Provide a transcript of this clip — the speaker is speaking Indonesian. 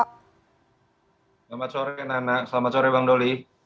selamat sore nana selamat sore bang doli